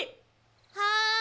はい！